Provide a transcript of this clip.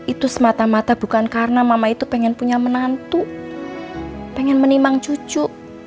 itu semata mata bukan karena mama itu pengen punya menantu pengen menimang cucu